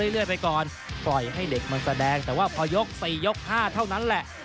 เรื่อยไปก่อนปล่อยให้เด็กมันแสดงแต่ว่าพอยก๔ยก๕เท่านั้นแหละ